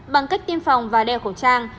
bằng cách tiêm phòng và đeo khẩu trang